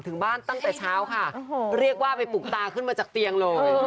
ถึงบ้านตั้งแต่เช้าค่ะเรียกว่าไปปลุกตาขึ้นมาจากเตียงเลย